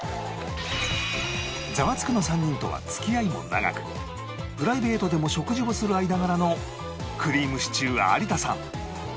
『ザワつく！』の３人とは付き合いも長くプライベートでも食事をする間柄のくりぃむしちゅー有田さん